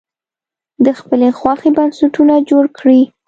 د خپلې خوښې بنسټونه جوړ کړي.